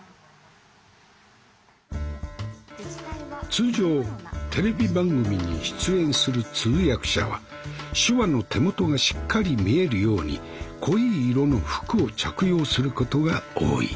通常テレビ番組に出演する通訳者は手話の手元がしっかり見えるように濃い色の服を着用することが多い。